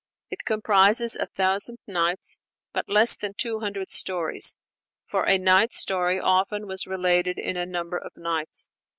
It comprises a Thousand Nights, but less than two hundred stories; for a night story often was related in a number of nights.